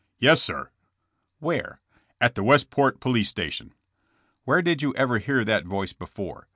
''Yes, sir." At the Westport police station." Where did you ever hear that voice before?"